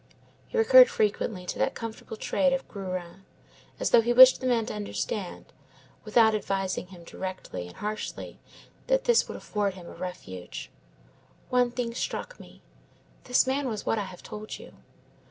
He recurred frequently to that comfortable trade of grurin, as though he wished the man to understand, without advising him directly and harshly, that this would afford him a refuge. One thing struck me. This man was what I have told you.